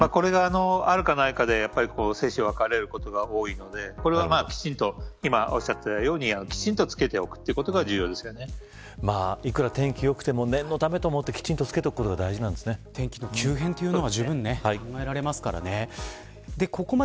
これがあるかないかで生死が分かれることが多いのでこれはきちんと今おっしゃったように着けておくということがいくら天気が良くても念のためと思ってきちんと着けておくことが天気の急変もじゅうぶん考えられますからね。